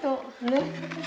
ねっ。